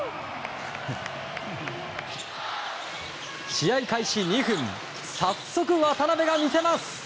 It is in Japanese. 試合開始２分早速、渡邊が見せます。